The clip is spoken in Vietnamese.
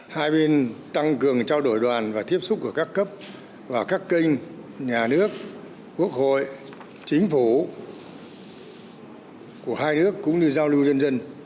hai bên tăng cường trao đổi đoàn và tiếp xúc của các cấp và các kênh nhà nước quốc hội chính phủ của hai nước cũng như giao lưu dân dân